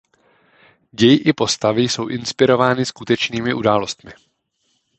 Děj i postavy jsou inspirovány skutečnými událostmi.